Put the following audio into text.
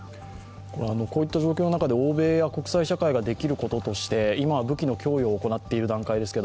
こういった状況の中で欧米や国際社会ができることとして今、武器の供与を行っている段階ですが